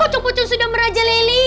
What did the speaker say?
pocong pocong sudah meraja leli